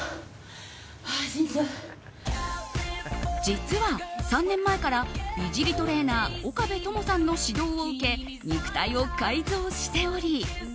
実は３年前から美尻トレーナー、岡部友さんの指導を受け肉体を改造しており。